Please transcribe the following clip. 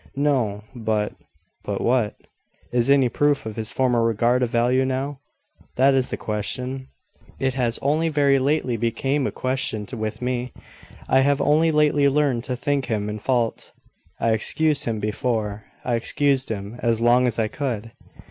"No: but " "But what?" "Is any proof of his former regard of value now? That is the question. It has only very lately become a question with me. I have only lately learned to think him in fault. I excused him before... I excused him as long as I could."